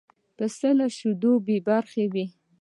پسه له شیدو بې برخې وي.